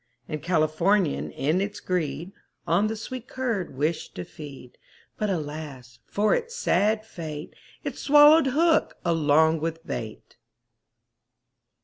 And Californian in its greed, On the sweet curd wished to feed; But, alas, for it's sad fate, It swallowed hook along with bait.